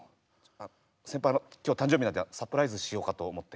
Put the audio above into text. あの今日誕生日なんでサプライズしようかと思って。